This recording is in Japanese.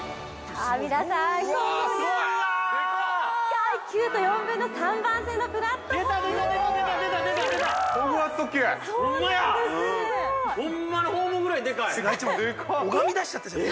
◆第９と４分の３番線のプラットホームです。